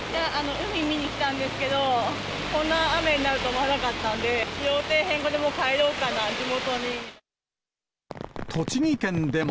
海、見に来たんですけど、こんな雨になると思わなかったんで、予定変更で、もう帰ろうかな、栃木県でも。